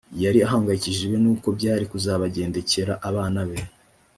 yari ahangayikishijwe n’uko byari kuzabagendekera abana be